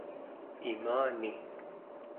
imani